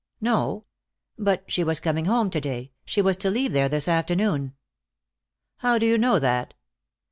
"No." "But she was coming home to day. She was to leave there this afternoon." "How do you know that?"